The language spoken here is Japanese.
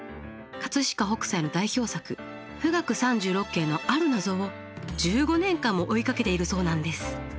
飾北斎の代表作「冨嶽三十六景」のある謎を１５年間も追いかけているそうなんです。